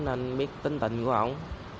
nên biết tính tình của ổng